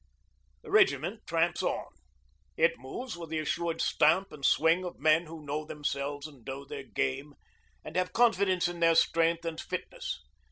The regiment tramps on. It moves with the assured stamp and swing of men who know themselves and know their game, and have confidence in their strength and fitness.